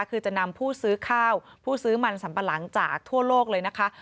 คือจะนำผู้ซื้อข้าวผู้ซื้อมันสัมปะหลังจากทั่วโลกเลยนะคะ